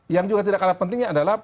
yang juga tidak kalah pentingnya adalah